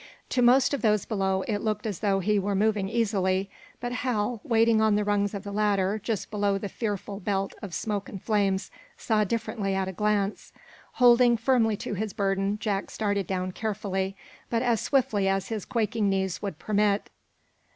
To most of those below it looked as though he were moving easily. But Hal, waiting on the rungs of the ladder, just below the fearful belt of smoke and flames, saw differently at a glance. Holding firmly to his burden, Jack started down carefully, but as swiftly as his quaking knees would permit.